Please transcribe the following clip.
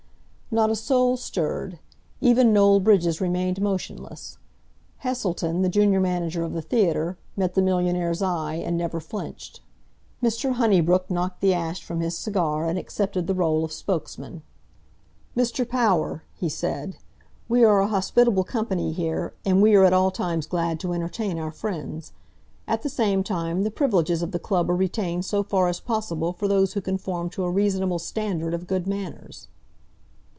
Not a soul stirred. Even Noel Bridges remained motionless. Heselton, the junior manager of the theatre, met the millionaire's eye and never flinched. Mr. Honeybrook knocked the ash from his cigar and accepted the role of spokesman. "Mr. Power," he said, "we are a hospitable company here, and we are at all times glad to entertain our friends. At the same time, the privileges of the club are retained so far as possible for those who conform to a reasonable standard of good manners."